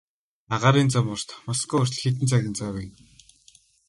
Агаарын зам урт, Москва хүртэл хэдэн цагийн зай байна.